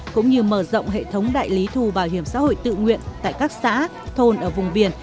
cũng như mở rộng hệ thống đại lý thu bảo hiểm xã hội tự nguyện tại các xã thôn ở vùng biển